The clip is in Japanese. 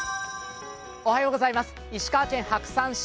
石川県白山市